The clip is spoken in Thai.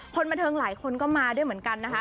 คนบันเทิงหลายคนก็มาด้วยเหมือนกันนะคะ